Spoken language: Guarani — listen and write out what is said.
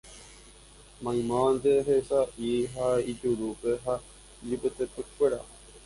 Maymávante hesãi ha ijuruhe ijapytepekuéra